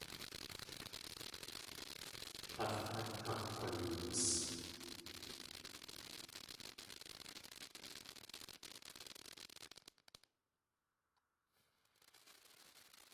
Tlél at kakg̲wanoots.